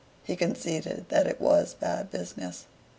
He conceded that it was a bad business.